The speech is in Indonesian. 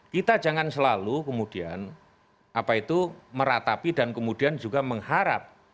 kita jangan selalu kemudian meratapi dan kemudian juga mengharap